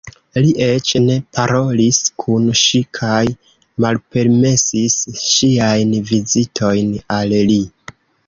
Li eĉ ne parolis kun ŝi kaj malpermesis ŝiajn vizitojn al li.